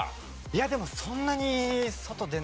いやでもそんなに外出ない。